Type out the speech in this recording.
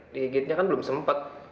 digigitnya kan belum sempat